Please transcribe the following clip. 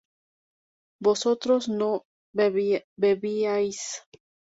¿vosotros no bebíais?